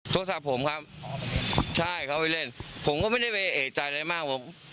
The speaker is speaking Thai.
โทรศัพท์ผมครับใช่เขาไปเล่นผมก็ไม่ได้ไปเอกใจอะไรมากผม